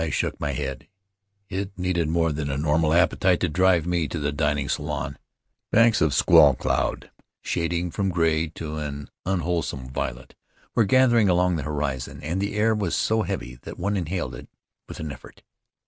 I shook my head — it needed more than a normal appetite to drive one to the dining saloon. Banks of Faery Lands of the South Seas squall cloud, shading from gray to an unwholesome violet, were gathering along the horizon, and the air was so heavy that one inhaled it with an effort.